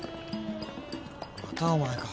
またお前か。